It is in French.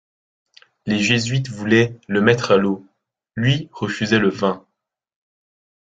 Les Jésuites voulaient «le mettre à l'eau» (lui refusaient le vin).